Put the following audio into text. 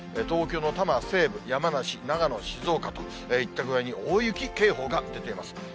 東京の多摩西部、山梨、長野、静岡といった具合に、大雪警報が出ています。